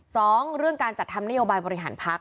สองเรื่องการจัดทำนโยบายบริหารพัก